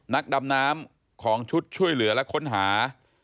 นักดำน้ำของชุดช่วยเหลือและค้นหา